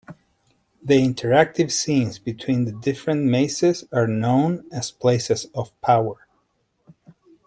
The interactive scenes between the different mazes are known as Places of Power.